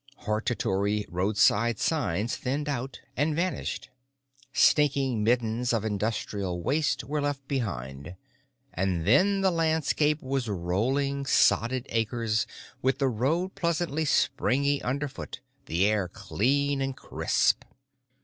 Hortatory roadside signs thinned out and vanished. Stinking middens of industrial waste were left behind. And then the landscape was rolling, sodded acres with the road pleasantly springy underfoot, the air clean and crisp.